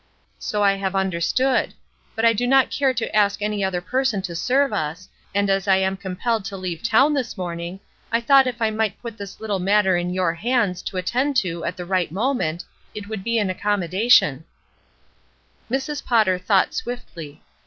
''So I have understood; but I do not care to ask any other person to serve us, and as I am compelled to leave town this morning, I thought if I might put this little matter in your hands to attend to at the right moment, it would be an accommodation," Mrs. Potter thought swiftly.